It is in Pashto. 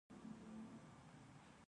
ایا ډوډۍ خورئ؟